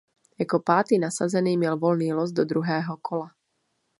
Jako pátý nasazený měl volný los do druhého kola.